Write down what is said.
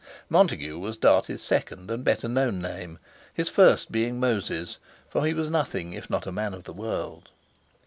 Montague was Dartie's second and better known name—his first being Moses; for he was nothing if not a man of the world.